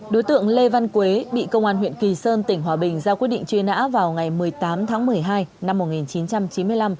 đối tượng lê văn quế bị công an huyện kỳ sơn tỉnh hòa bình ra quyết định truy nã vào ngày một mươi tám tháng một mươi hai năm một nghìn chín trăm chín mươi năm